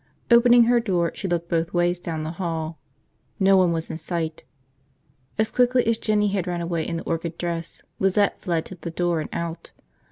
Opening her door, she looked both ways down the hall. No one was in sight. As quickly as Jinny had run away in the orchid dress, Lizette fled to the door and out.